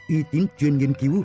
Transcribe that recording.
y tín chuyên nghiên cứu